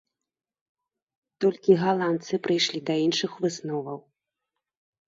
Толькі галандцы прыйшлі да іншых высноваў.